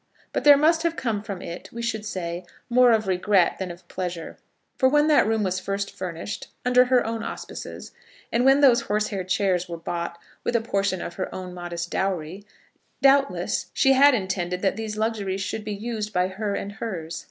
But there must have come from it, we should say, more of regret than of pleasure; for when that room was first furnished, under her own auspices, and when those horsehair chairs were bought with a portion of her own modest dowry, doubtless she had intended that these luxuries should be used by her and hers.